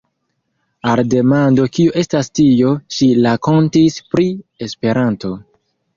Al demando kio estas tio, ŝi rakontis pri Esperanto.